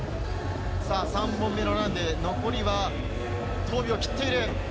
３本目のランで、残りは１０秒切っている。